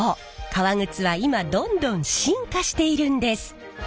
革靴は今どんどん進化しているんです！